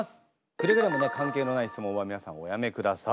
くれぐれもね関係のない質問は皆さんおやめください。